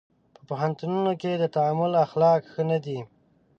په پوهنتونونو کې د تعامل اخلاق ښه نه دي.